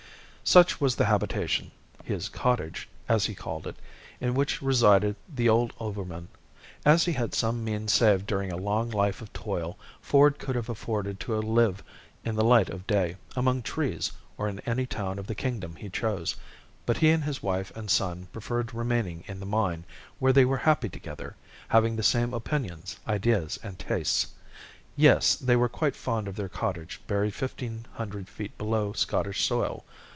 Such was the habitation, "his cottage," as he called it, in which resided the old overman. As he had some means saved during a long life of toil, Ford could have afforded to live in the light of day, among trees, or in any town of the kingdom he chose, but he and his wife and son preferred remaining in the mine, where they were happy together, having the same opinions, ideas, and tastes. Yes, they were quite fond of their cottage, buried fifteen hundred feet below Scottish soil.